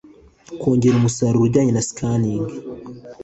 kongera umusaruro ujyanye na scanning